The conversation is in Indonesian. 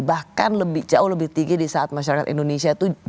bahkan jauh lebih tinggi di saat masyarakat indonesia itu